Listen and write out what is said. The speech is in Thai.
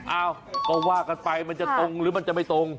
เอ้าก็ว่ากันไปมันจะตรงหรือมันจะไม่ตรง